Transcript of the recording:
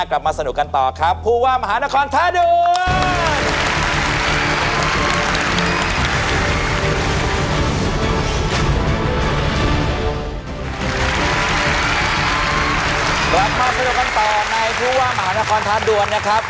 กลับมาเพื่อก่อนต่อในภูวะมหานครทาดวนนะครับ